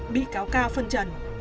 bị cáo ca phân trần